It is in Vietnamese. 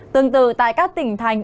tương tự tại các tỉnh thành